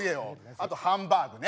あとハンバーグね。